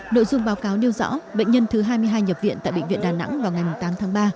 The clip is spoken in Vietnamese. nội dung báo cáo nêu rõ bệnh nhân thứ hai mươi hai nhập viện tại bệnh viện đà nẵng vào ngày tám tháng ba